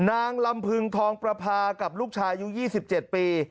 นางลำพึงทองประพากับลูกชายอายุ๒๗ปี